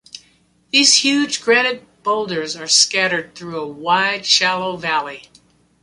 These huge granite boulders are scattered through a wide, shallow valley.